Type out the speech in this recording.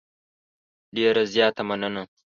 ډېره زیاته مننه .